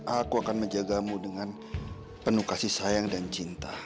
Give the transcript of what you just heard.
aku akan menjagamu dengan penuh kasih sayang dan cinta